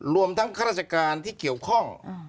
รวมทั้งข้าราชการที่เกี่ยวข้อง